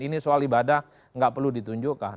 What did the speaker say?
ini soal ibadah nggak perlu ditunjukkan